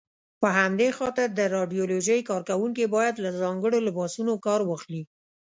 په همدې خاطر د راډیالوژۍ کاروونکي باید له ځانګړو لباسونو کار واخلي.